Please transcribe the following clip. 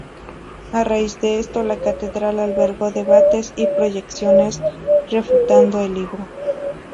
A raíz de esto, la catedral albergó debates y proyecciones refutando el libro.